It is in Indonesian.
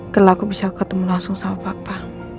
kalau aku bisa ketemu langsung sama papa